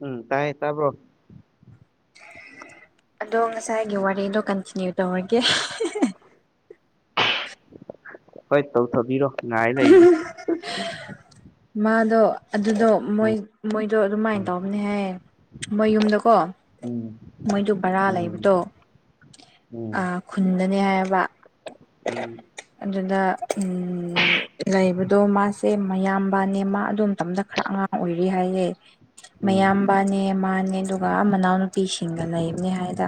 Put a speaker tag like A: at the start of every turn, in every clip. A: ꯎꯝ ꯇꯥꯏ ꯇꯕ꯭ꯔꯣ?
B: ꯑꯗꯣ ꯉꯁꯥꯏꯒꯤ ꯋꯥꯔꯤꯗꯣ ꯀꯟꯇꯤꯅ꯭ꯌꯨ ꯇꯧꯔꯒꯦ꯫
A: ꯍꯣꯏ ꯇꯧꯊꯕꯤꯔꯣ꯫ ꯉꯥꯏ ꯂꯩꯅꯤ
B: ꯃꯥꯗꯣ ꯑꯗꯨꯗꯣ ꯃꯣꯏ ꯃꯣꯏ ꯑꯗꯣ ꯑꯗꯨꯃꯥꯏꯅ ꯇꯧꯕꯅꯦ ꯍꯥꯏꯌꯦ ꯃꯌꯨꯝꯗꯀꯣ
A: ꯎꯝ
B: ꯃꯣꯏꯗꯨ ꯕꯔꯥ
A: ꯎꯝ
B: ꯂꯩꯕꯗꯣ ꯑ
A: ꯎꯝ
B: ꯈꯨꯟꯗꯅꯦ ꯍꯥꯏꯕ
A: ꯎꯝ
B: ꯑꯗꯨꯗ ꯎꯝ ꯂꯩꯕꯗꯣ ꯃꯥꯁꯦ ꯃꯌꯥꯝꯕꯥꯅꯦ ꯃꯥ ꯑꯗꯨ ꯃꯇꯝꯗ ꯈꯔ ꯑꯉꯥꯡ ꯑꯣꯏꯔꯤ ꯍꯥꯏꯌꯦ꯫
A: ꯎꯝ
B: ꯃꯌꯥꯝꯕꯅꯦ ꯃꯥꯅꯦ ꯑꯗꯨꯒ ꯃꯅꯥꯎꯅꯨꯄꯤꯁꯤꯡꯒ ꯂꯩꯕꯅꯦ ꯍꯥꯏꯗ꯫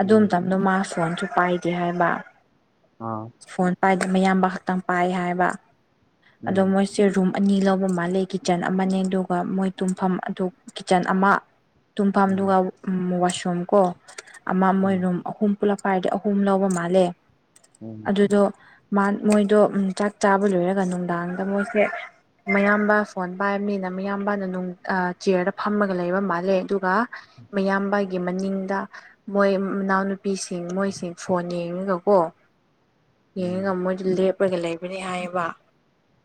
B: ꯑꯗꯨ
A: ꯎꯝ ꯎꯝ
B: ꯃꯇꯝꯗꯣ ꯃꯥ ꯐꯣꯟꯁꯨ ꯄꯥꯏꯗꯦ ꯍꯥꯏꯕ꯫
A: ꯑꯥ
B: ꯐꯣꯟ ꯄꯥꯏ ꯃꯌꯥꯝꯕ ꯈꯛꯇꯪ ꯄꯥꯏ ꯍꯥꯏꯕ꯫ ꯑꯗꯣ
A: ꯎꯝ
B: ꯃꯣꯏꯁꯦ ꯔꯨꯝ ꯑꯅꯤ ꯂꯧꯕ ꯃꯥꯜꯂꯦ ꯀꯤꯠꯆꯟ ꯑꯃꯅꯦ ꯑꯗꯨꯒ ꯃꯣꯏ ꯇꯨꯝꯐꯝ ꯑꯗꯨ ꯀꯤꯠꯆꯟ ꯑꯃ
A: ꯎꯝ
B: ꯇꯨꯝꯐꯝꯗꯨꯒ ꯋꯥꯁꯔꯨꯝ ꯀꯣ ꯑꯃ
A: ꯎꯝ
B: ꯃꯣꯏ
A: ꯎꯝ
B: ꯔꯨꯝ ꯑꯍꯨꯝ ꯄꯨꯂꯞ ꯄꯥꯏꯔꯗꯤ ꯑꯍꯨꯝ ꯂꯧꯕ ꯃꯥꯜꯂꯦ ꯑꯗꯨꯗꯣ ꯃꯣꯏꯗꯣ ꯆꯥꯛ ꯆꯥꯕ ꯂꯣꯏꯔꯒ ꯅꯨꯡꯗꯥꯡꯗ ꯃꯣꯏꯁꯦ ꯃꯌꯥꯝꯕ ꯐꯣꯟ ꯄꯥꯏꯕꯅꯤꯅ ꯃꯌꯥꯝꯕꯅ ꯅꯨꯡ ꯆꯤꯌꯔꯗ ꯐꯝꯃꯒ ꯂꯩꯕ ꯃꯥꯜꯂꯦ ꯑꯗꯨꯒ ꯃꯌꯥꯝꯕꯒꯤ ꯃꯅꯤꯡꯗ ꯃꯣꯏ ꯃꯅꯥꯎꯅꯨꯄꯤꯁꯤꯡ ꯃꯣꯏꯁꯤꯡ ꯐꯣꯟ ꯌꯦꯡꯉꯒꯀꯣ ꯌꯦꯡꯔꯒ ꯃꯣꯏꯗꯤ ꯂꯦꯞꯄꯒ ꯂꯩꯕꯅꯤ ꯍꯥꯏꯌꯦꯕ꯫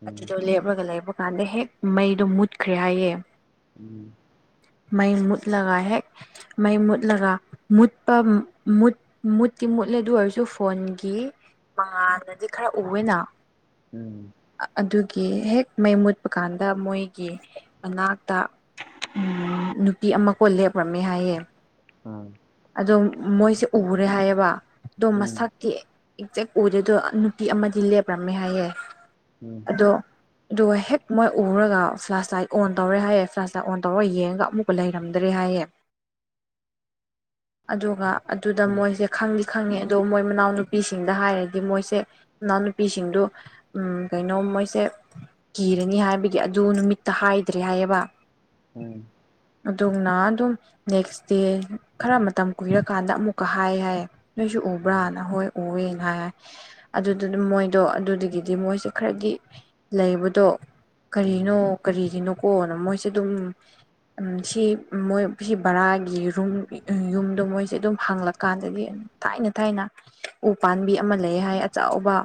A: ꯎꯝ ꯎꯝ
B: ꯑꯗꯨꯗꯣ ꯂꯦꯞꯂꯒ ꯂꯩꯕ ꯀꯥꯟꯗ ꯍꯦꯛ ꯃꯩꯗꯣ ꯃꯨꯠꯈ꯭ꯔꯦ ꯍꯥꯏꯌꯦ
A: ꯎꯝ
B: ꯃ ꯃꯗ ꯂꯒꯥ ꯍꯦꯛ ꯃꯩ ꯃꯨꯠꯂꯒ ꯃꯨꯠꯄ ꯃꯨꯠꯇꯤ ꯃꯨꯠꯂꯦ ꯑꯗꯨ ꯑꯣꯏꯔꯁꯨ ꯐꯣꯟꯒꯤ ꯃꯉꯥꯜꯗꯗꯤ ꯈꯔ ꯎꯑꯦꯅ
A: ꯎꯝ
B: ꯑꯗꯨꯒꯤ ꯍꯦꯛ ꯃꯩ ꯃꯨꯠꯄ ꯀꯥꯟꯗ ꯃꯣꯏꯒꯤ ꯃꯅꯥꯛꯇ ꯎꯝ ꯅꯨꯄꯤ ꯑꯃ ꯀꯣꯟ ꯂꯦꯞꯈ꯭ꯔꯝꯃꯦ ꯍꯥꯏꯌꯦ
A: ꯑꯥ ꯎꯝ
B: ꯑꯗꯣ ꯃꯣꯏꯁꯦ ꯎꯔꯦ ꯍꯥꯏꯌꯦꯕ ꯑꯗꯣ
A: ꯎꯝ ꯎꯝ ꯎꯝ ꯎꯝ
B: ꯃꯁꯛꯇꯤ ꯑꯦꯛꯖꯦꯛ ꯑꯣꯏꯗꯦꯗꯣ ꯅꯨꯄꯤ ꯑꯃꯗꯤ ꯂꯦꯞꯔꯝꯃꯦ ꯍꯥꯏꯌꯦ ꯑꯗꯣ ꯑꯗꯨꯒ ꯍꯦꯛ ꯃꯣꯏ ꯎꯔꯒ ꯐ꯭ꯂꯥꯁ ꯂꯥꯏꯠ ꯑꯣꯟ ꯇꯧꯔꯦ ꯍꯥꯏꯌꯦ ꯐ꯭ꯂꯥꯁ ꯂꯥꯏꯠ ꯑꯣꯟ ꯇꯧꯔ ꯌꯦꯡꯉꯒ ꯑꯃꯨꯛ ꯂꯩꯔꯝꯗ꯭ꯔꯦ ꯍꯥꯏꯌꯦ ꯑꯗꯨꯒ ꯑꯗꯨꯗ ꯃꯣꯏꯁꯦ ꯈꯪꯗꯤ ꯈꯪꯉꯤ ꯑꯗꯣ ꯃꯣꯏ ꯃꯅꯥꯎꯅꯨꯄꯤꯁꯤꯡꯗ ꯍꯥꯏꯔꯗꯤ ꯃꯣꯏꯁꯦ ꯏꯅꯥꯎꯅꯨꯄꯤꯁꯤꯡꯗꯨ ꯎꯝ ꯀꯩꯅꯣ ꯃꯣꯏꯁꯦ ꯀꯤꯔꯅꯤ ꯍꯥꯏꯕꯒꯤ ꯑꯗꯨ ꯅꯨꯃꯤꯠꯇ ꯍꯥꯏꯗ꯭ꯔꯦ ꯍꯥꯏꯌꯦꯕ
A: ꯎꯝ
B: ꯑꯗꯨꯅ ꯑꯗꯨꯝ ꯅꯦꯛꯁ ꯗꯦ ꯈꯔ ꯃꯇꯝ ꯀꯨꯏꯔꯀꯥꯟꯗ ꯑꯃꯨꯛꯀ ꯍꯥꯏ ꯍꯥꯏꯌꯦ ꯅꯣꯏꯁꯨ
A: ꯎꯝ
B: ꯎꯕ꯭ꯔꯥꯅ
A: ꯎꯝ
B: ꯍꯣꯏ ꯎꯑꯦꯅ ꯍꯥꯏ ꯑꯗꯨꯗꯨꯅ ꯃꯣꯏ ꯑꯗꯣ ꯑꯗꯨꯗꯒꯤꯗꯤ ꯃꯣꯏꯁꯦ ꯈꯔꯗꯤ ꯂꯩꯕꯗꯣ
A: ꯎꯝ
B: ꯀꯔꯤꯅꯣ ꯀꯔꯤꯒꯤꯅꯣꯀꯣꯅ ꯃꯣꯏꯁꯦ ꯑꯗꯨꯝ ꯁꯤ ꯃꯣꯏ ꯁꯤ ꯕꯔꯥꯒꯤ ꯔꯨꯝ ꯌꯨꯝꯗꯣ ꯃꯣꯏꯁꯦ ꯑꯗꯨꯝ ꯍꯥꯡꯂꯛꯀꯥꯟꯗꯗꯒꯤ ꯊꯥꯏꯅ ꯊꯥꯏꯅ ꯎ ꯄꯥꯝꯕꯤ ꯑꯃ ꯂꯩ ꯍꯥꯏ ꯑꯆꯕ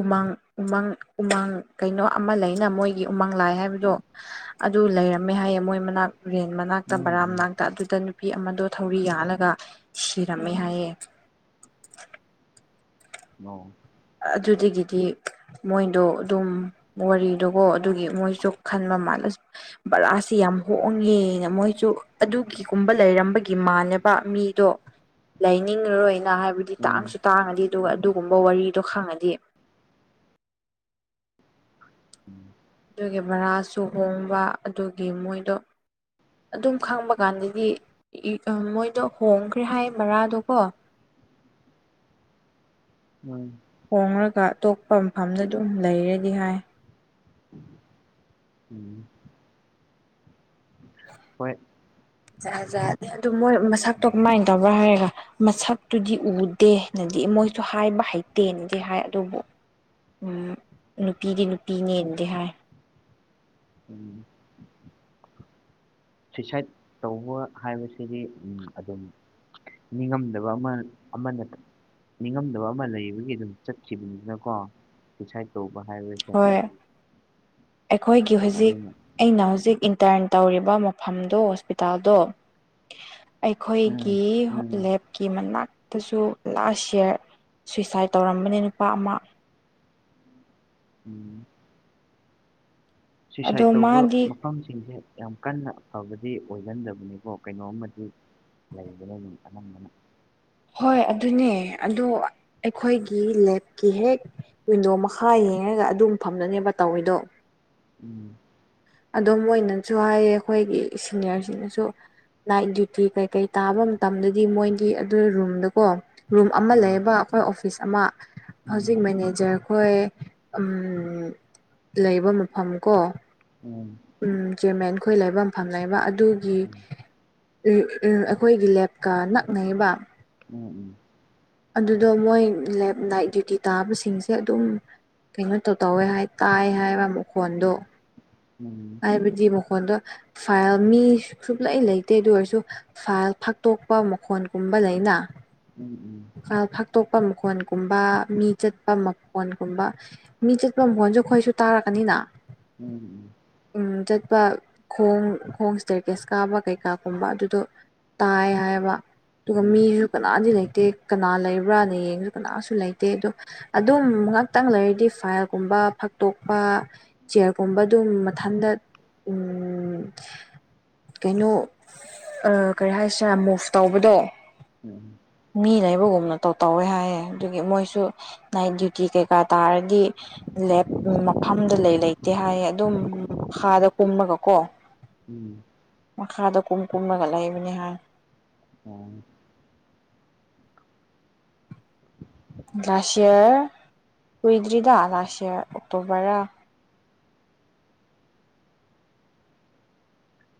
B: ꯎꯃꯪ ꯎꯃꯪ ꯎꯃꯪ ꯀꯩꯅꯣ ꯑꯃ ꯂꯩꯅ ꯃꯣꯏꯒꯤ ꯎꯃꯪ ꯂꯥꯏ ꯍꯥꯏꯕꯗꯣ ꯑꯗꯨ ꯂꯩꯔꯝꯃꯦ ꯍꯥꯏꯌꯦ ꯃꯣꯏ ꯃꯅꯥꯛ ꯔꯦꯟ ꯃꯅꯥꯛꯇ ꯕꯔꯥ ꯃꯅꯥꯛꯇ ꯑꯗꯨꯗ ꯅꯨꯄꯤ ꯑꯃꯗꯣ ꯊꯧꯔꯤ ꯌꯥꯜꯂꯒ ꯁꯤꯔꯝꯃꯦ ꯍꯥꯏꯌꯦꯦ
A: [unintelligible]
B: ꯑꯗꯨꯗꯒꯤꯗꯤ ꯃꯣꯏꯗꯣ ꯑꯗꯨꯝ ꯋꯥꯔꯤꯗꯣꯀꯣ ꯑꯗꯨꯒꯤ ꯃꯣꯏꯁꯨ ꯈꯟꯕ ꯃꯥꯜꯂ ꯕꯔꯁꯤꯦ ꯌꯥꯝ ꯍꯣꯡꯉꯦꯅ ꯃꯣꯏꯁꯨ ꯑꯗꯨꯒꯤꯒꯨꯝꯕ ꯂꯩꯔꯝꯕꯒꯤ ꯃꯥꯜꯂꯦꯕ ꯃꯤꯗꯣ ꯂꯩꯅꯤꯡꯉꯔꯣꯏꯅ ꯍꯥꯏꯕꯗꯤ
A: ꯎꯝ
B: ꯇꯥꯡꯁꯨ ꯇꯥꯡꯉꯗꯤ ꯑꯗꯨꯒ ꯑꯗꯨꯒꯨꯝꯕ ꯋꯥꯔꯤꯗꯣ ꯈꯪꯉꯗꯤ
A: ꯎꯝ
B: ꯑꯗꯨꯒꯤ ꯚꯔꯥꯁꯨ ꯍꯣꯡꯕ ꯑꯗꯨꯒꯤ ꯃꯣꯏꯗꯣ ꯑꯗꯨꯝ ꯈꯪꯕ ꯀꯥꯟꯗꯗꯤ ꯃꯣꯏꯗꯣ ꯍꯣꯡꯈ꯭ꯔꯦ ꯍꯥꯏ ꯃꯔꯥꯗꯣꯀꯣ
A: ꯎꯝ
B: ꯍꯣꯡꯂꯒ ꯑꯇꯣꯞꯄ ꯃꯐꯝꯗ ꯑꯗꯨꯝ ꯂꯩꯔꯗꯤ ꯍꯥꯏ
A: ꯎꯝ ꯍꯣꯏ
B: ꯖꯥꯠ ꯖꯥꯠꯅꯦ ꯑꯗꯨ ꯃꯣꯏ ꯃꯁꯛꯇꯣ
A: ꯎꯝ
B: ꯀꯃꯥꯏꯅ ꯇꯧꯕ꯭ꯔꯥ ꯍꯥꯏꯔꯒ ꯃꯁꯛꯇꯨꯗꯤ ꯎꯗꯦꯅꯗꯤ ꯃꯣꯏꯁꯨ ꯍꯥꯏꯕ ꯍꯩꯇꯦꯅꯗꯤ ꯍꯥꯏ ꯑꯗꯨꯕꯨ ꯎ ꯅꯨꯄꯤꯗꯤ ꯅꯨꯄꯤꯅꯦꯅꯗꯤ ꯍꯥꯏ
A: ꯎꯝ ꯁꯨꯏꯁꯥꯏꯠ ꯇꯧꯕ ꯍꯥꯏꯕꯁꯤꯗꯤ ꯑꯗꯨꯝ ꯅꯤꯡꯉꯝꯗꯕ ꯑꯃ ꯑꯃ ꯅ ꯅꯤꯡꯉꯝꯗꯕ ꯑꯃ ꯂꯩꯕꯒꯤ ꯑꯗꯨꯝ ꯆꯠꯈꯤꯕꯅꯤꯅꯀꯣ ꯁꯨꯁꯥꯏꯠ ꯇꯧꯕ ꯍꯥꯏꯕ
B: ꯍꯣꯏ ꯑꯩꯈꯣꯏꯒꯤ ꯍꯧꯖꯤꯛ
A: ꯑꯗꯨꯅ
B: ꯑꯩꯅ ꯍꯧꯖꯤꯛ ꯏꯟꯇꯔꯟ ꯇꯧꯔꯤꯕ ꯃꯐꯝꯗꯣ ꯍꯣꯁꯄꯤꯇꯥꯜꯗꯣ
A: ꯎꯝ
B: ꯑꯩꯈꯣꯏꯒꯤ
A: ꯎꯝ
B: ꯀꯤ ꯃꯅꯥꯛꯇꯁꯨ ꯂꯥꯁ ꯌꯔ ꯁꯨꯏꯁꯥꯏꯠ ꯇꯧꯔꯝꯕꯅꯦ ꯅꯨꯄꯥ ꯑꯃ
A: ꯎꯝ
B: ꯑꯗꯣ
A: ꯁꯨꯏꯁꯥꯏꯠ ꯇꯧꯕ
B: ꯃꯥꯗꯤ
A: ꯃꯐꯝꯁꯤꯡꯁꯦ ꯌꯥꯝ ꯀꯟꯅ ꯐꯕꯗꯤ ꯑꯣꯏꯒꯟꯗꯕꯅꯤꯀꯣ ꯀꯩꯅꯣꯝꯃ ꯂꯩꯕꯗꯒꯤ ꯑꯅꯝꯕꯅ
B: ꯍꯣꯏ ꯑꯗꯨꯅꯦ ꯑꯗꯣ ꯑꯩꯈꯣꯏꯒꯤ ꯂꯦꯞꯀꯤ ꯍꯦꯛ ꯋꯤꯟꯗꯣ ꯃꯈꯥ ꯌꯦꯡꯉꯒ ꯑꯗꯨꯝ ꯐꯝꯅꯅꯦꯕ ꯇꯧꯋꯦꯗꯣ
A: ꯎꯝ
B: ꯑꯗꯨꯝ ꯑꯣꯏꯅꯁꯨ ꯍꯥꯏꯌꯦ ꯑꯩꯈꯣꯏꯒꯤ ꯁꯤꯅꯤꯌꯔꯁꯤꯡꯅꯁꯨ ꯅꯥꯏꯠ ꯗ꯭ꯌꯨꯇꯤ ꯀꯩꯀꯩ ꯇꯥꯕ ꯃꯇꯝꯗꯗꯤ ꯃꯣꯏꯒꯤ ꯑꯗꯨ ꯔꯨꯝꯗꯀꯣ ꯔꯨꯝ ꯑꯃ
A: ꯎꯝ
B: ꯂꯩꯌꯦꯕ ꯑꯩꯈꯣꯏ ꯑꯣꯐꯤꯁ ꯑꯃ ꯍꯧꯖꯤꯛ
A: ꯎꯝ
B: ꯃꯅꯦ ꯑꯣꯖꯛ ꯑꯩꯈꯣꯏ ꯂꯩꯕ ꯃꯐꯝ ꯀꯣ
A: ꯑꯣꯝ
B: ꯎ ꯆꯨꯝꯃꯦ ꯑꯩꯈꯣꯏ ꯂꯩꯕ ꯃꯐꯝ ꯂꯩꯕ ꯑꯗꯨꯒꯤ ꯑꯩꯈꯣꯏꯒꯤ ꯂꯦꯞꯀ ꯅꯛꯅꯔꯤꯕ
A: ꯎꯝ ꯎꯝ
B: ꯑꯗꯨꯗꯣ ꯃꯣꯏ ꯂꯦꯞ ꯅꯥꯏꯠ ꯗ꯭ꯌꯨꯇꯤ ꯇꯥꯕꯁꯤꯡꯁꯦ ꯑꯗꯨꯝ ꯀꯩꯅꯣ ꯇꯧ ꯇꯧꯋꯦ ꯍꯥꯏ ꯇꯥꯏ ꯍꯥꯏꯕ ꯃꯈꯣꯟꯗꯣ
A: ꯎꯝ
B: ꯍꯥꯏꯕꯗꯤ ꯃꯈꯣꯟꯗ ꯐꯥꯏꯜ ꯃꯤ ꯁꯨꯡꯂꯩ ꯂꯩꯇꯦ ꯑꯗꯨ ꯑꯣꯏꯔꯁꯨ ꯐꯥꯏꯜ ꯐꯥꯛꯇꯣꯛꯄ ꯃꯈꯣꯟꯒꯨꯝꯕ ꯂꯩꯅ
A: ꯎꯝ ꯎꯝ
B: ꯐꯥꯛꯇꯣꯛꯄ ꯃꯈꯣꯟꯒꯨꯝꯕ ꯃꯤ ꯆꯠꯄ ꯃꯈꯣꯟꯒꯨꯝꯕ ꯃꯤ ꯆꯠꯄ ꯃꯒꯣꯟꯁꯨ ꯑꯩꯈꯣꯏꯁꯨ ꯇꯥꯔꯛꯀꯅꯤꯅ
A: ꯎꯝ ꯎꯝ
B: ꯎ ꯆꯠꯄ ꯈꯣꯡ ꯈꯣꯡ ꯏꯁꯇꯔꯀꯦꯁ ꯀꯥꯕ ꯀꯩꯀꯥꯒꯨꯝꯕ ꯑꯗꯨꯗꯣ ꯇꯥꯏ ꯍꯥꯏꯕ ꯑꯗꯨꯒ ꯃꯤꯁꯨ ꯀꯅꯥꯗꯤ ꯂꯩꯇꯦ ꯀꯅꯥ ꯂꯩꯕ꯭ꯔꯥꯅ ꯌꯦꯡꯉꯁꯨ ꯀꯅꯥꯁꯨ ꯂꯩꯇꯦ ꯑꯗꯣ ꯑꯗꯨꯝ ꯉꯥꯛꯇꯪ ꯂꯩꯔꯗꯤ ꯐꯥꯏꯜꯒꯨꯝꯕ ꯐꯛꯇꯣꯛꯄ ꯆꯤꯌꯔꯒꯨꯝꯕ ꯑꯗꯨꯝ ꯃꯊꯟꯗ ꯎꯝ ꯀꯩꯅꯣ ꯀꯔꯤ ꯍꯥꯏꯁꯤꯔꯦ ꯃꯨꯐ ꯇꯧꯕꯗꯣ
A: ꯎꯝ
B: ꯃꯤ ꯂꯩ ꯃꯔꯨꯒꯨꯝꯅ ꯇꯧ ꯇꯧꯋꯦ ꯍꯥꯏꯌꯦ ꯑꯗꯨꯒꯤ ꯃꯣꯏꯁꯨ ꯅꯥꯏꯠ ꯗ꯭ꯌꯨꯇꯤ ꯀꯩꯀꯥ ꯇꯥꯔꯗꯤ ꯂꯦꯞ ꯃꯐꯝꯗ ꯂꯩ ꯂꯩꯇꯦ ꯍꯥꯏꯌꯦ ꯑꯗꯨꯝ ꯈꯥꯗ ꯀꯨꯝꯃꯒ ꯀꯣ
A: ꯎꯝ
B: ꯃꯈꯥꯗ ꯀꯨꯝ ꯀꯨꯝꯂꯒꯠꯂꯛꯏꯕꯅꯤꯍꯥꯟ
A: ꯑꯣ
B: ꯂꯥꯁ ꯏꯌꯥꯔ ꯀꯨꯏꯗ꯭ꯔꯤꯗ ꯂꯥꯁ ꯏꯌꯥꯔ ꯑꯣꯛꯇꯣꯕꯔ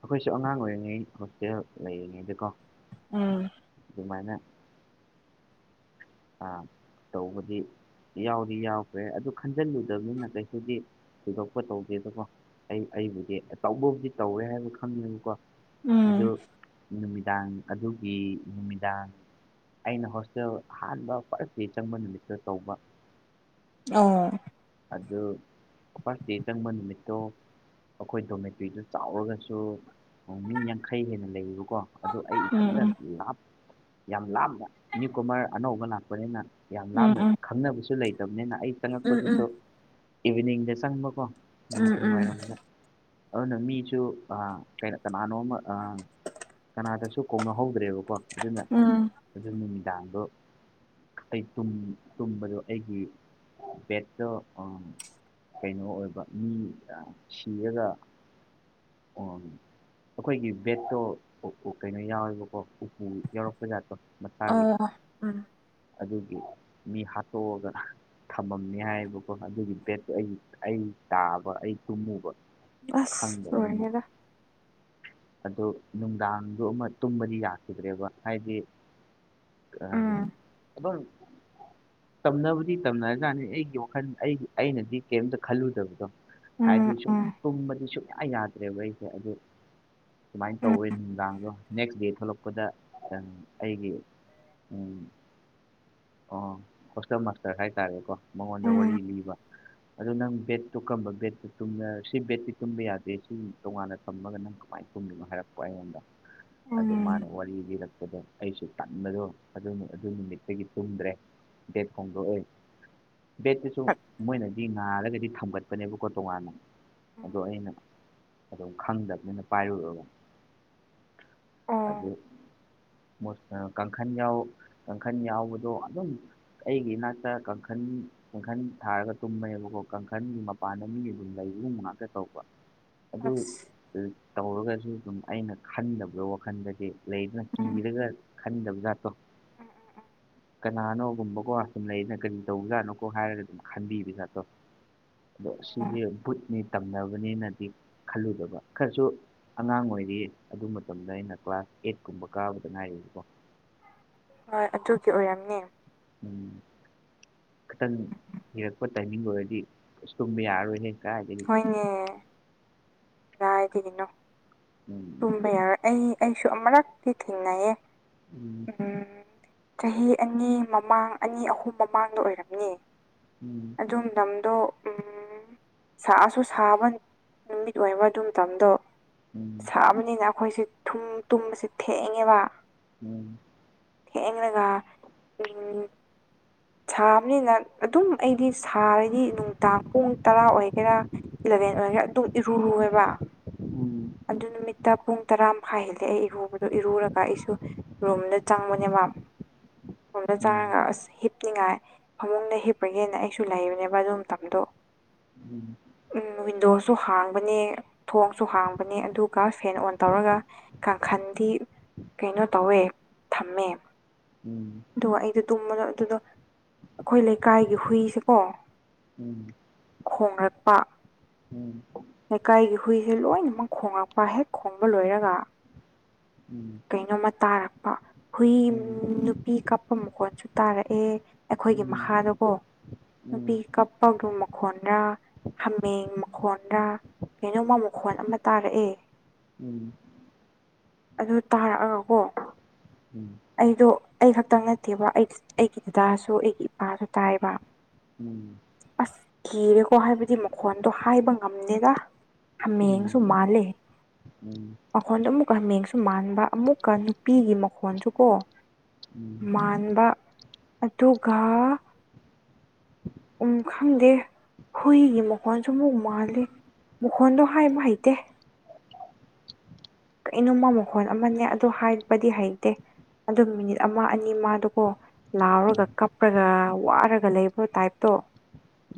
A: ꯑꯩꯈꯣꯏꯁꯨ ꯑꯉꯥꯡ ꯑꯣꯏꯔꯤꯉꯩ ꯍꯣꯁꯇꯦꯜ ꯂꯩꯔꯤꯉꯩꯗꯀꯣ
B: ꯎꯝ
A: ꯑꯗꯨꯃꯥꯏꯅ ꯑꯥ ꯇꯧꯕꯗꯤ ꯌꯥꯎꯗꯤ ꯌꯥꯎꯈ꯭ꯔꯦ ꯑꯗꯨ ꯈꯟꯖꯤꯜꯂꯨꯗꯕꯅꯤꯅ ꯀꯩꯁꯨꯗꯤ ꯊꯣꯏꯗꯣꯛꯄ ꯇꯧꯒꯦꯗꯀꯣ ꯑꯩ ꯑꯩꯕꯨꯗꯤ ꯑ ꯇꯧꯕꯕꯨꯗꯤ ꯇꯧꯋꯦ ꯍꯥꯏꯕ ꯈꯪꯗꯕꯀꯣ ꯑꯗꯨ
B: ꯎꯝ
A: ꯅꯨꯃꯤꯗꯥꯡ ꯑꯗꯨꯒꯤ ꯅꯨꯃꯤꯗꯥꯡ ꯑꯩꯅ ꯍꯣꯁꯇꯦꯜ ꯑꯍꯥꯟꯕ ꯐꯔ ꯗꯦ ꯆꯪꯕ ꯅꯨꯃꯤꯠꯇꯨ ꯇꯧꯕ
B: ꯑꯣ
A: ꯑꯗꯨ ꯐꯥꯔꯁ ꯗꯦ ꯆꯪꯕ ꯅꯨꯃꯤꯠꯇꯣ ꯑꯩꯈꯣꯏ ꯗꯣꯃꯦꯇꯔ꯭ꯤꯗꯨ ꯆꯥꯎꯔꯒꯁꯨ ꯃꯤ ꯌꯥꯡꯈꯩ ꯍꯦꯟꯅ ꯂꯩꯌꯦꯕꯀꯣ ꯑꯗꯣ ꯑꯩ ꯏꯊꯟꯇ
B: ꯎꯝ
A: ꯂꯥꯞ ꯌꯥꯝ ꯂꯥꯞꯅ ꯅ꯭ꯌꯨꯀꯣꯃꯔ ꯑꯅꯧꯕ ꯂꯥꯛꯄꯅꯤꯅ ꯌꯥꯝ
B: ꯎꯝ
A: ꯂꯥꯞꯅ
B: ꯎꯝ
A: ꯈꯪꯅꯕꯁꯨ ꯂꯩꯇꯕꯅꯤꯅ ꯑꯩ
B: ꯎꯝ ꯎꯝ
A: ꯆꯪꯉꯛꯄꯗꯨꯁꯨ ꯏꯚꯤꯅꯤꯡꯗ ꯆꯪꯕꯀꯣ
B: ꯎꯝ ꯎꯝ
A: ꯅꯨꯡꯊꯤꯟ
B: ꯎꯝ
A: ꯋꯥꯏꯔꯝꯗ ꯑꯗꯨꯅ ꯃꯤꯁꯨ ꯑꯥ ꯀꯅꯥꯅꯣꯃ ꯀꯅꯥꯗꯁꯨ ꯀꯧꯅꯍꯧꯗ꯭ꯔꯦꯕꯀꯣ ꯑꯗꯨꯅ
B: ꯎꯝ
A: ꯑꯗꯨ ꯅꯨꯃꯤꯗꯥꯡꯗꯣ ꯑꯩ ꯇꯨꯝꯕꯗꯣ ꯑꯩꯒꯤ ꯑꯗꯣ ꯀꯩꯅꯣ ꯑꯣꯏꯕ ꯃꯤ ꯁꯤꯔꯒ ꯑꯣ ꯑꯩꯈꯣꯏꯒꯤ ꯕꯦꯠꯇꯣ ꯀꯩꯅꯣ ꯌꯥꯎꯋꯦꯕꯀꯣ ꯎꯄꯨ ꯌꯥꯎꯔꯛꯄ ꯖꯥꯠꯇꯣ ꯃꯆꯥꯒꯤ
B: ꯑꯣ ꯎꯝ
A: ꯑꯗꯨꯒꯤ ꯃꯤ ꯍꯥꯠꯇꯣꯛꯑꯒ ꯊꯝꯃꯝꯅꯤ ꯍꯥꯏ ꯣ ꯑꯗꯨꯒꯤ ꯕꯦꯗꯣ ꯑꯩ ꯑꯩ ꯇꯥꯕ ꯑꯩ ꯇꯨꯝꯃꯨꯕ
B: ꯑꯁ
A: ꯈꯪꯗꯕꯅꯤꯅ
B: ꯔꯍꯤꯦꯗ
A: ꯑꯗꯨ ꯅꯨꯡꯗꯥꯡꯗ ꯑꯃ ꯇꯨꯝꯕꯗꯤ ꯌꯥꯈꯤꯗ꯭ꯔꯦꯕ ꯍꯥꯏꯗꯤ ꯑ
B: ꯎꯝ
A: ꯑ ꯇꯝꯅꯕꯗꯤ ꯇꯝꯅꯔꯖꯥꯠꯅꯤ ꯑꯩꯒꯤ ꯋꯥꯈꯜ ꯑꯩꯒꯤ ꯑꯩꯅꯗꯤ ꯀꯔꯤꯝꯇ ꯈꯜꯂꯨꯗꯕꯗꯣ ꯍꯥꯏꯗꯤ
B: ꯎꯝ
A: ꯁꯨꯝ
B: ꯎꯝ
A: ꯄꯨꯝꯕꯗꯤ ꯁꯨꯡꯌꯥ ꯌꯥꯗ꯭ꯔꯦꯕ ꯑꯩꯁꯦ ꯑꯗꯨ ꯁꯨꯃꯥꯏꯅ
B: ꯎꯝ
A: ꯇꯧꯋꯦ ꯅꯨꯡꯗꯥꯡꯗꯣ ꯅꯦꯛꯁ ꯗꯦ ꯊꯣꯛꯂꯛꯄꯗ ꯑꯩꯒꯤ ꯑꯣ ꯍꯣꯁꯇꯦꯜ ꯃꯥꯁꯇꯔ ꯍꯥꯏꯇꯥꯔꯦꯀꯣ ꯃꯉꯣꯟꯗ
B: ꯎꯝ
A: ꯋꯥꯔꯤ ꯂꯤꯕ ꯑꯗꯨꯗ ꯅꯪ ꯕꯦꯠꯇꯣ ꯀꯔꯝꯕ ꯕꯦꯠꯇꯨ ꯇꯨꯝꯕꯔ ꯁꯤ ꯕꯦꯠꯇꯤ ꯇꯨꯝꯕ ꯌꯥꯗꯦ ꯁꯤ ꯇꯣꯉꯥꯟꯅ ꯊꯝꯃꯒ ꯅꯪ ꯀꯃꯥꯏꯅ ꯇꯨꯝꯗꯣꯏꯅꯣ ꯍꯥꯏꯔꯛꯄ ꯑꯩꯉꯣꯟꯗ ꯑꯗꯣ
B: ꯎꯝ
A: ꯃꯥꯅ ꯋꯥꯔꯤ ꯂꯤꯔꯛꯄꯗꯣ ꯑꯩꯁꯨ ꯇꯟꯕꯗꯣ ꯑꯗꯨ ꯑꯗꯨ ꯅꯨꯃꯤꯠꯇꯒꯤ ꯇꯨꯝꯗ꯭ꯔꯦ ꯕꯦꯠ ꯍꯣꯡꯗꯣꯛꯑꯦ ꯕꯦꯠꯇꯨꯁꯨ ꯃꯣꯏꯅꯗꯤ ꯉꯥꯔꯒꯗꯤ ꯊꯝꯒꯠꯄꯅꯦꯕꯀꯣ ꯇꯣꯉꯥꯟꯅ ꯑꯗꯣ ꯑꯩꯅ ꯑꯗꯨꯝ ꯈꯪꯗꯕꯅꯤꯅ ꯄꯥꯏꯔꯨꯔꯕ
B: ꯑꯣ
A: ꯑꯗꯨ ꯀꯥꯡꯈꯟ ꯌꯥꯎ ꯀꯥꯡꯈꯟ ꯌꯥꯎꯕꯗꯣ ꯑꯗꯨꯝ ꯑꯩꯒꯤ ꯏꯅꯥꯛꯇ ꯀꯥꯡꯈꯟ ꯀꯥꯡꯈꯟ ꯊꯥꯔꯒ ꯇꯨꯝꯃꯦꯕꯀꯣ ꯀꯥꯡꯈꯟꯒꯤ ꯃꯄꯥꯟꯗ ꯃꯤ ꯑꯗꯨꯝ ꯂꯩꯕꯒꯨꯝꯕ ꯉꯥꯛꯇ ꯇꯧꯕ ꯑꯗꯨ
B: ꯑꯁ
A: ꯇꯧꯔꯒꯁꯨ ꯑꯗꯨꯝ ꯑꯩꯅ ꯈꯟꯗꯕꯗꯣ ꯋꯥꯈꯜꯗꯗꯤ ꯂꯩꯗꯅ ꯀꯤꯔꯒ ꯈꯟꯗꯕ ꯖꯥꯠꯇꯣ
B: ꯎꯝ ꯎꯝ ꯎꯝ
A: ꯀꯅꯥꯅꯣ ꯒꯨꯝꯕꯀꯣ ꯁꯨꯝ ꯂꯩꯔꯤꯅ ꯀꯔꯤ ꯇꯧꯕꯖꯥꯠꯅꯣ ꯀꯣ ꯍꯥꯏꯔꯒ ꯑꯗꯨꯝ ꯈꯟꯕꯤꯕ ꯖꯥꯠꯇꯣ ꯑꯗꯣ ꯁꯤꯗꯤ ꯕꯨꯠꯅꯤ ꯇꯝꯅꯕꯅꯦꯅꯗꯤ ꯈꯜꯂꯨꯗꯕ ꯈꯔꯁꯨ ꯑꯉꯥꯡ ꯑꯣꯏꯔꯤꯌꯦ ꯑꯗꯨ ꯃꯇꯝꯗ ꯑꯩꯅ ꯀ꯭ꯂꯥꯁ ꯑꯦꯠ ꯀꯨꯝꯕ ꯀꯥꯕꯗ ꯉꯥꯏꯔꯤꯕꯀꯣ
B: ꯍꯣꯏ ꯑꯗꯨꯒꯤ ꯑꯣꯏꯔꯝꯅꯤ
A: ꯎꯝ ꯈꯔ ꯀꯤꯔꯛꯄ ꯇꯥꯏꯃꯤꯡ ꯑꯣꯏꯔꯗꯤ ꯏꯁ ꯇꯨꯝꯕ ꯌꯥꯔꯣꯏꯍꯦ ꯀꯥꯏꯗꯩꯩ
B: ꯎꯝ ꯀꯥꯢꯗꯒꯤꯅꯣ
A: ꯎꯝ
B: ꯇꯨꯝꯕ ꯌꯥꯔꯣꯏ ꯑꯩ ꯑꯩꯁꯨ ꯑꯃꯨꯔꯛꯇꯤ ꯊꯦꯡꯅꯩꯌꯦ ꯎꯝ ꯆꯍꯤ ꯑꯅꯤ ꯃꯃꯥꯡ ꯑꯅꯤ ꯑꯍꯨꯝ ꯃꯃꯥꯡꯗ ꯑꯣꯏꯔꯝꯅꯤ
A: ꯎꯝ
B: ꯑꯗꯨ ꯃꯇꯝꯗꯣ ꯁꯥꯁꯨ ꯁꯥꯕ ꯂꯣꯏꯕ ꯑꯗꯨ ꯃꯇꯝꯗꯣ ꯁꯥꯕꯅꯤꯅ ꯑꯩꯈꯣꯏꯁꯦ ꯇꯨꯝ ꯇꯨꯝꯕꯁꯦ ꯊꯦꯡꯉꯦꯕ
A: ꯎꯝ
B: ꯊꯦꯡꯉꯒ ꯎꯝ ꯁꯥꯕꯅꯤꯅ ꯑꯗꯨꯝ ꯑꯩꯗꯤ ꯁꯥꯔꯗꯤ ꯅꯨꯡꯗꯥꯡ ꯄꯨꯡ ꯇꯔꯥ ꯑꯣꯏꯒꯦꯔꯥ ꯏꯂꯚꯦꯟ ꯑꯣꯏꯒꯦꯔ ꯑꯗꯨꯝ ꯏꯔꯨ ꯂꯨꯏꯑꯦꯕ
A: ꯎꯝ
B: ꯑꯗꯨ ꯅꯨꯃꯤꯠꯇ ꯄꯨꯡ ꯇꯔꯥꯃꯥꯏ ꯍꯦꯜꯂꯦ ꯑꯩ ꯏꯍꯣꯡꯕꯗꯣ ꯏꯔꯨꯔꯒ ꯑꯩꯁꯨ ꯔꯨꯝꯗ ꯆꯪꯕꯅꯦꯕ ꯔꯨꯝꯗ
A: ꯎꯝ
B: ꯆꯪꯉꯒ ꯑꯁ ꯆꯤꯞꯅꯤꯡꯉꯥꯏ ꯐꯃꯨꯡꯗ ꯍꯤꯞꯄꯒꯦꯅ ꯑꯩꯁꯨ ꯂꯩꯕꯅꯦꯕ ꯑꯗꯨ ꯃꯇꯝꯗꯣ
A: ꯎ
B: ꯎꯝ ꯋꯤꯟꯗꯣꯁꯨ ꯍꯥꯡꯕꯅꯦ ꯊꯣꯡꯁꯨ ꯍꯥꯡꯕꯅꯦ ꯑꯗꯨꯒ ꯐꯦꯟ ꯑꯣꯟ ꯇꯧꯔꯒ ꯀꯥꯡꯈꯟꯗꯤ ꯀꯩꯅꯣ ꯇꯧꯋꯦ ꯊꯝꯃꯦ
A: ꯎꯝ ꯎꯝ ꯎꯝ ꯎꯝ ꯎꯝ
B: ꯑꯗꯨꯒ ꯑꯩꯗꯣ ꯇꯨꯝꯕꯗꯣ ꯑꯗꯨꯗ ꯑꯩꯈꯣꯏ ꯂꯩꯀꯥꯏꯒꯤ ꯍꯨꯏꯁꯦꯀꯣ
A: ꯎꯝ
B: ꯈꯣꯡ ꯂꯥꯛꯄ
A: ꯎꯝ
B: ꯂꯩꯀꯥꯏꯒꯤ ꯍꯨꯏꯁꯦ ꯂꯣꯏꯅꯃꯛ ꯈꯣꯉꯛꯄ ꯍꯦꯛ ꯈꯣꯡꯕ ꯂꯣꯏꯔꯒ ꯀꯩꯅꯣꯝꯃ ꯇꯥꯔꯛꯄ ꯍꯨꯏ
A: ꯎꯝ
B: ꯃꯤ ꯀꯞꯄ ꯃꯈꯣꯟꯁꯨ ꯇꯥꯔꯛꯑꯦ ꯑꯩꯈꯣꯏꯒꯤ ꯃꯈꯥꯗꯀꯣ ꯅꯨꯄꯤ ꯀꯞꯄꯒꯤ ꯃꯈꯣꯟꯗ ꯍꯥꯃꯦꯡ ꯃꯈꯣꯟꯗ ꯀꯩꯅꯣꯝꯃ ꯃꯈꯣꯟ ꯑꯃ ꯇꯥꯔꯛꯑꯦ
A: ꯎꯝ
B: ꯑꯗꯨ ꯇꯥꯔꯛꯑꯒꯀꯣ ꯑꯩꯗꯣ ꯑꯩ ꯈꯛꯇꯪ ꯅꯠꯇꯦꯕ ꯑꯩ ꯑꯩꯒꯤ ꯗꯥꯁꯨ ꯑꯩꯒꯤ ꯏꯄꯥꯁꯨ ꯇꯥꯏꯕ
A: ꯎꯝ
B: ꯑꯁ ꯀꯤꯔꯦꯀꯣ ꯍꯥꯏꯕꯗꯤ ꯃꯈꯣꯟꯗꯣ ꯍꯥꯏꯕ ꯉꯝꯅꯦꯗ ꯃꯦꯁꯨ ꯃꯥꯂꯦ
A: ꯎꯝ
B: ꯃꯈꯣꯟꯗꯣ ꯑꯃꯨꯛꯀ ꯍꯥꯃꯦꯡꯁꯨ ꯃꯥꯟꯕ ꯑꯃꯨꯛꯀ ꯅꯨꯄꯤꯒꯤ ꯃꯈꯣꯟꯜꯁꯨ ꯀꯣ
A: ꯎꯝ
B: ꯃꯥꯟꯕ ꯑꯗꯨꯒ ꯎꯝ ꯈꯪꯗꯦ ꯍꯨꯏꯒꯤ ꯃꯈꯣꯟꯁꯨ ꯑꯃꯨꯛ ꯃꯥꯜꯂꯤ ꯃꯈꯣꯟꯗꯣ ꯍꯥꯏꯕ ꯍꯩꯇꯦ ꯀꯩꯅꯣꯃ ꯃꯈꯣꯟꯜ ꯑꯃꯅꯦ ꯑꯗ ꯍꯥꯏꯕꯗꯤ ꯍꯩꯇꯦ ꯑꯗꯨ ꯃꯤꯅꯤꯠ ꯑꯃ ꯑꯅꯤ ꯑꯃꯗꯨꯀꯣ
A: ꯎꯝ ꯎꯝ
B: ꯂꯥꯎꯔꯒ ꯀꯞꯄꯔꯒ ꯋꯥꯔꯒ ꯂꯩꯕ꯭ꯔꯣ ꯇꯥꯏꯞꯇꯣ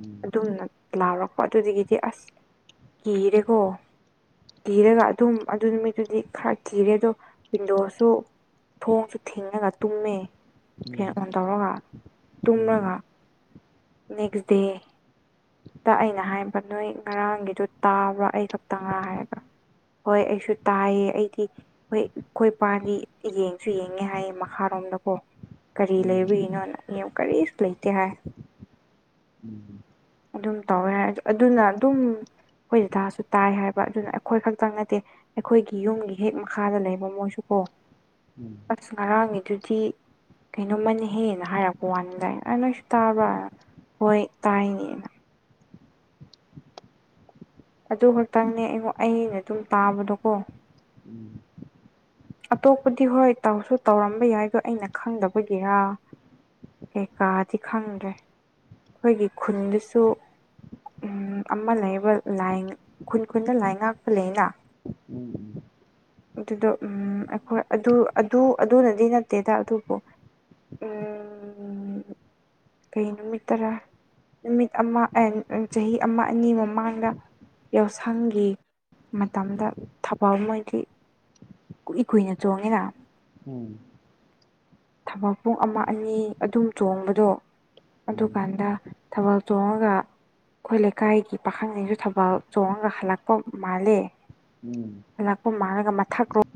A: ꯎꯝ
B: ꯑꯗꯨꯝꯅ ꯂꯥꯎꯔꯛꯄ ꯑꯗꯨꯗꯒꯤꯗꯤ ꯑꯁ ꯀꯤꯔꯦꯀꯣ ꯀꯤꯔꯒ ꯑꯗꯨꯝ ꯑꯗꯨ ꯅꯨꯃꯤ ꯑꯗꯨꯗꯤ ꯈꯔ ꯀꯤꯔꯦ ꯑꯗꯣ ꯋꯤꯟꯗꯣꯁꯨ ꯊꯣꯡꯁꯨ ꯊꯦꯡꯉꯒ ꯇꯨꯝꯃꯦ ꯐꯦꯟ
A: ꯎꯝ
B: ꯑꯣꯟ ꯇꯧꯔꯒ
A: ꯎꯝ
B: ꯇꯨꯝꯔꯒ ꯅꯦꯛꯁ ꯗꯦ ꯗ ꯑꯩꯅ ꯍꯥꯏꯕ ꯅꯣꯏ ꯉꯔꯥꯡꯒꯤꯗꯨ ꯇꯥꯕ꯭ꯔꯥ ꯑꯩ ꯈꯛꯇ ꯉ ꯍꯥꯏꯒ꯭ꯔꯥ ꯍꯣꯏ ꯑꯩꯁꯨ ꯇꯥꯏꯌꯦ ꯑꯩꯗꯤ ꯍꯣꯏ ꯑꯩꯈꯣꯏ ꯏ ꯄꯥꯗꯤ ꯌꯦꯡꯁꯨ ꯌꯦꯡꯉꯦ ꯍꯥꯏꯌꯦ ꯃꯈꯥꯔꯣꯝꯗꯀꯣ ꯀꯔꯤ
A: ꯎꯝ
B: ꯂꯩꯕꯩꯅꯣꯅ ꯌꯦꯡ ꯀꯔꯤꯁꯨ ꯂꯩꯇꯦ ꯍꯥꯏ꯫
A: ꯎꯝꯝ
B: ꯑꯗꯨꯝ ꯇꯧꯋꯦ ꯍꯥꯏ ꯑꯗꯨꯅ ꯑꯗꯨꯝ ꯑꯩꯈꯣꯏ ꯊꯥꯁꯨ ꯇꯥꯏ ꯍꯥꯏꯕ ꯑꯗꯨꯅ ꯑꯩꯈꯣꯏ ꯈꯛꯇꯪ ꯅꯠꯇꯦ ꯑꯩꯈꯣꯏꯒꯤ ꯌꯨꯝꯒꯤ ꯍꯦꯛ ꯃꯈꯥꯗ ꯂꯩꯕ ꯃꯣꯏꯁꯨ ꯀꯣ
A: ꯎꯝ
B: ꯑꯁ ꯉꯔꯥꯡꯉꯗꯨꯗꯤ ꯀꯩꯅꯣꯝꯃꯅꯍꯦꯅ ꯍꯥꯏꯔꯛꯄ ꯋꯥꯅꯤꯗꯥꯥꯏ ꯑ ꯅꯣꯏꯁꯨ ꯇꯥꯕ꯭ꯔꯥ ꯍꯣꯏ ꯇꯥꯏꯅꯦ ꯑꯗꯨ ꯈꯛꯇꯪꯅꯦ ꯑꯩꯉ ꯑꯩꯅ ꯑꯗꯨꯝ ꯇꯥꯕꯗꯣꯀꯣ
A: ꯎꯝ
B: ꯑꯇꯣꯞꯄꯗꯤ ꯍꯣꯏ ꯇꯧꯁꯨ ꯇꯧꯔꯝꯕ ꯌꯥꯏꯗꯣ ꯑꯩꯅ ꯈꯪꯗꯕꯒꯤꯔꯥ ꯀꯩꯀꯥꯗꯤ ꯈꯪꯗ꯭ꯔꯦ ꯑꯩꯈꯣꯏꯒꯤ ꯈꯨꯟꯗꯁꯨ ꯎꯝ ꯑꯃ ꯂꯩꯕ ꯂꯥꯏ ꯈꯨꯟ ꯈꯨꯟꯗ ꯂꯥꯏ ꯉꯥꯛꯄ ꯂꯩꯅ
A: ꯎꯝ
B: ꯑꯗꯨꯠꯇꯗ ꯎꯝ ꯑꯩꯈꯣꯏ ꯑꯗꯨ ꯑꯗꯨ ꯑꯗꯨꯅꯗꯤ ꯅꯠꯇꯦꯗ ꯑꯗꯨꯕꯨ ꯎ ꯎꯝ ꯀꯩ ꯅꯨꯃꯤꯠꯇꯔꯥ ꯅꯨꯃꯤꯠ ꯑꯃ ꯆꯍꯤ ꯑꯃ ꯑꯅꯤ ꯃꯃꯥꯡꯗ ꯌꯥꯎꯁꯪꯒꯤ ꯃꯇꯝꯗ ꯊꯕꯜ ꯃꯣꯏꯗꯤ ꯀꯨꯏ ꯀꯨꯏꯅ ꯆꯣꯡꯉꯦꯔ
A: ꯎꯝ
B: ꯊꯕꯛ ꯄꯨꯡ ꯑꯃ ꯑꯅꯤ ꯑꯗꯨꯝ ꯆꯣꯡꯕꯗꯣ
A: ꯎꯝ
B: ꯑꯗꯨꯀꯥꯟꯗ ꯊꯕꯜ ꯆꯣꯡꯉꯒ ꯑꯩꯈꯣꯏ ꯂꯩꯀꯥꯏꯒꯤ ꯄꯥꯈꯪꯁꯤꯁꯨ ꯊꯕꯜ ꯆꯣꯡꯉꯒ ꯍꯜꯂꯛꯄ ꯃꯥꯜꯂꯦ
A: ꯎꯝ
B: ꯂꯥꯛꯄ ꯃꯥꯜꯂꯒ ꯃꯊꯛꯔꯣ